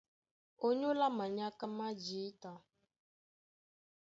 Ónyólá manyáká má jǐta,